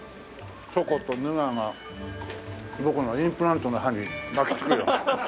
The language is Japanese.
チョコとヌガーが僕のインプラントの歯に巻きつくよ。